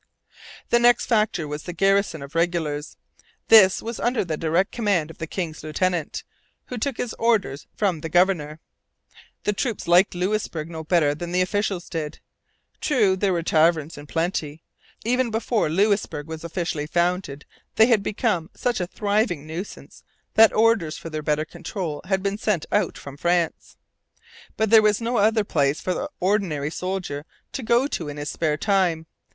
The next factor was the garrison of regulars. This was under the direct command of the king's lieutenant, who took his orders from the governor. The troops liked Louisbourg no better than the officials did. True, there were taverns in plenty: even before Louisbourg was officially founded they had become such a thriving nuisance that orders for their better control had been sent out from France. But there was no other place for the ordinary soldier to go to in his spare time.